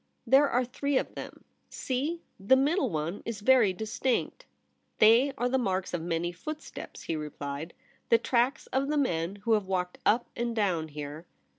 ' There are three of them. See ! the middle one is very distinct.' ' They are the marks of many footsteps,' he replied ;' the tracks of the men who have walked up and down here.'